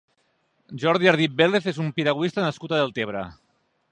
Joan Ardit Vélez és un piragüista nascut a Deltebre.